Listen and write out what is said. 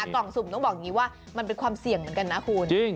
กล่องสุ่มต้องบอกอย่างนี้ว่ามันเป็นความเสี่ยงเหมือนกันนะคุณ